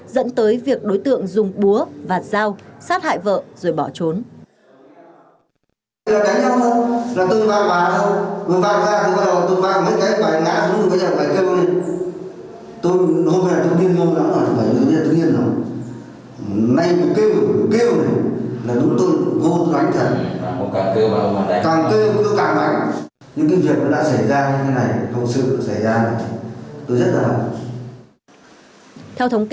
dẫn tới việc đối tượng dùng búa vạt dao sát hại vợ rồi bỏ trốn